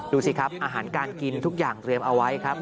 ดูสิครับอาหารการกินทุกอย่างเตรียมเอาไว้ครับ